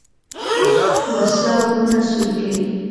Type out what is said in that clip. وسله غرونه سوری کوي